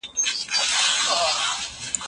اوس له دي بوډۍ لکړي چاته په فریاد سمه